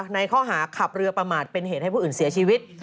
ในข้อหาขับเรือประมาทเป็นเหตุให้ผู้อื่นเสียชีวิต